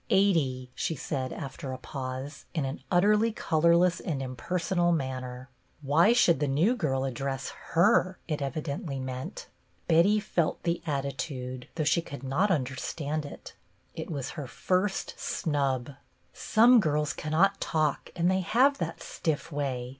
" Eighty," she said after a pause, in an utterly colorless and impersonal manner. " Why should the new girl address her ?" it evidently meant. Betty felt the attitude, though she could not understand it. It was her first snub. " Some girls cannot talk, and they have that stiff way.